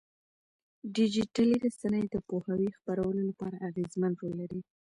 ډيجيټلي رسنۍ د پوهاوي خپرولو لپاره اغېزمن رول لري.